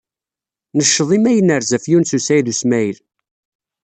Necceḍ imi ay nerza ɣef Yunes u Saɛid u Smaɛil.